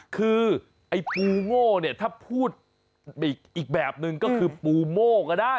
คือไอ้ปูโง่เนี่ยถ้าพูดอีกแบบนึงก็คือปูโม่ก็ได้